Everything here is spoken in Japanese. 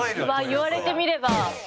言われてみれば。